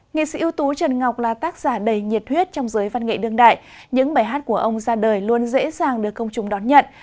nghệ sĩ ưu tú trần ngọc là tác giả đầy nhiệt huyết trong giới văn nghệ đương đại những bài hát của ông ra đời luôn dễ dàng được công chúng đón nhận